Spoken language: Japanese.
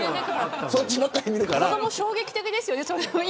子ども衝撃的ですよね。